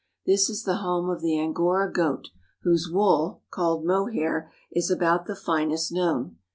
This is the home of the Angora goat, whose wool, called mohair, is about the finest known.